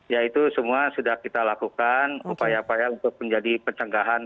ya itu semua sudah kita lakukan upaya upaya untuk menjadi pencegahan